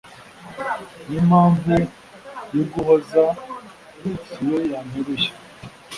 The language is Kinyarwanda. n'impamvu y'uguhoza si yo yanteruye